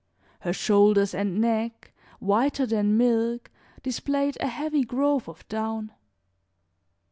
Her shoulders and neck, whiter than milk, displayed a heavy growth of down.